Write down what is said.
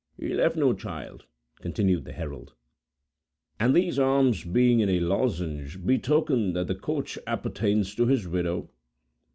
"He left no child," continued the herald, "and these arms, being in a lozenge, betoken that the coach appertains to his widow."